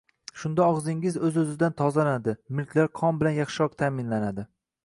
Shunda og‘zingiz o‘z-o‘zidan tozalanadi, milklar qon bilan yaxshiroq ta’minlanadi.